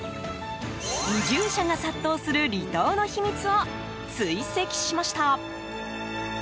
移住者が殺到する離島の秘密を追跡しました。